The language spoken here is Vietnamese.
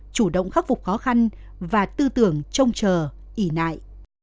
chủ động khắc phục khó khăn và tư tưởng trông chờ ỉ nại